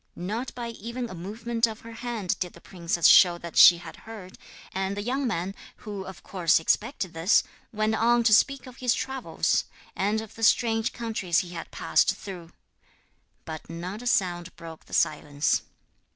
Not by even a movement of her hand did the princess show that she had heard, and the young man, who of course expected this, went on to speak of his travels and of the strange countries he had passed through; but not a sound broke the silence.